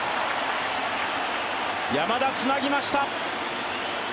山田、つなぎました。